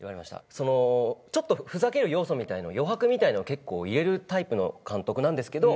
ちょっとふざける要素みたいな余白みたいなのを結構入れるタイプの監督なんですけど。